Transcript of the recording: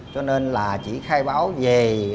cho nên là chị khai báo về